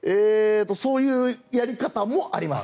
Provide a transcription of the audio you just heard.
そういうやり方もあります。